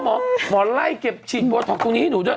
หมอไล่เก็บฉีดโบท็อกตรงนี้ให้หนูด้วย